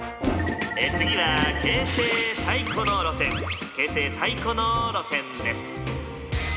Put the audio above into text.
次は京成最古の路線京成最古の路線です。